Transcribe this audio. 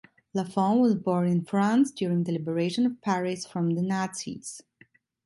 Lafond was born in France during the liberation of Paris from the Nazis.